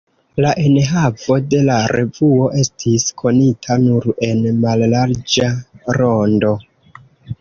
La enhavo de la revuo estis konita nur en mallarĝa rondo.